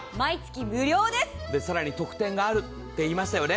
更に特典があるって言いましたよね。